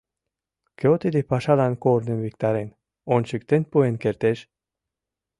Кӧ тиде пашалан корным виктарен, ончыктен пуэн кертеш?